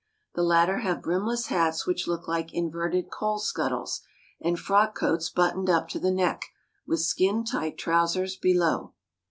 The latter have brimless hats which look like inverted coal scuttles, and frock coats buttoned up to the neck, with skin tight trousers below.